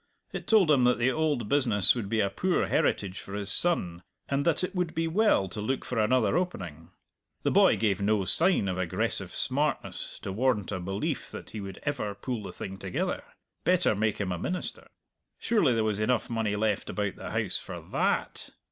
It told him that the old business would be a poor heritage for his son, and that it would be well to look for another opening. The boy gave no sign of aggressive smartness to warrant a belief that he would ever pull the thing together. Better make him a minister. Surely there was enough money left about the house for tha at!